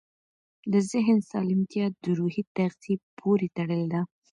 د ذهن سالمتیا د روحي تغذیې پورې تړلې ده.